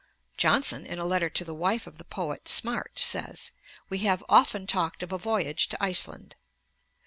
Johnson, in a letter to the wife of the poet Smart, says, 'we have often talked of a voyage to Iceland.'